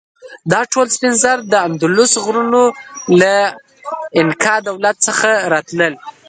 دا ټول سپین زر د اندوس غرونو له انکا دولت څخه راتلل.